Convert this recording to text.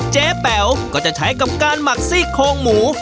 เจแป๋วค่ะก็จะใช้กับการหมักทริกโครงหมู